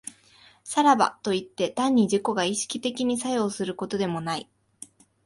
さらばといって、単に自己が意識的に作用することでもない。